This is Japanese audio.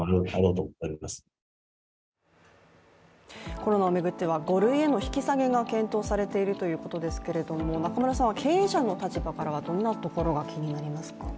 コロナを巡っては５類への引き下げが検討されているということですが中村さんは経営者の立場からはどんなところが気になりますか？